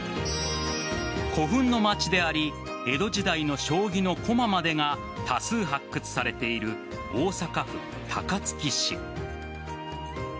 古墳の街であり江戸時代の将棋の駒までが多数発掘されている大阪府高槻市。